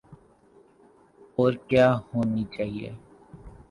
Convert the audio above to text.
اور کیا ہونی چاہیے۔